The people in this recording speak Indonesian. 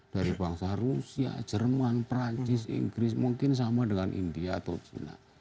dari bangsa rusia jerman perancis inggris mungkin sama dengan india atau china